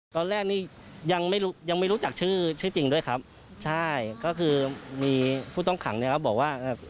ตอนแรกนี้ยังไม่รู้จักชื่อจริงด้วยครับใช่ก็คือมีผู้ต้องขังเนี่ยครับบอกว่า